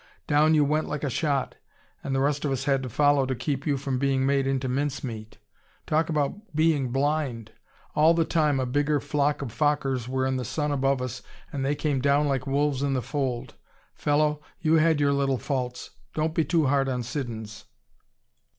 Down you went like a shot, and the rest of us had to follow to keep you from being made into mincemeat. Talk about being blind! All the time a bigger flock of Fokkers were in the sun above us and they came down like 'wolves on the fold.' Fellow, you had your little faults. Don't be too hard on Siddons."